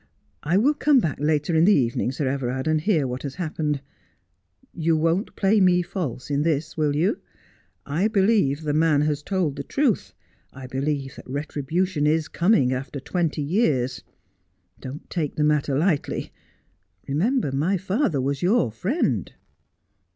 I will come back later in the evening, Sir Everard, and hear what has happened. You won't play me false in this, will you ? I believe the man has told the truth. I believe that retribution is coming after twenty years. Don't take the matter lightly. Remember, my father was your friend.'